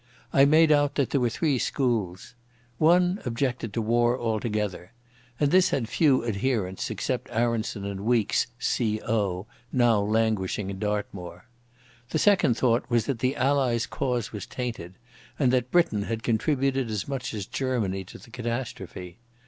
I made out that there were three schools. One objected to war altogether, and this had few adherents except Aronson and Weekes, C.O., now languishing in Dartmoor. The second thought that the Allies' cause was tainted, and that Britain had contributed as much as Germany to the catastrophe.